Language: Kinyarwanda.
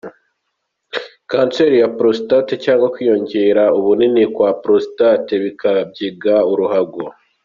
Kanseri ya prostate cyangwa kwiyongera ubunini kwa prostate bikabyiga uruhago.